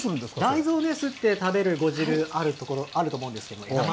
大豆をすって食べる呉汁、あるところ、あると思うんです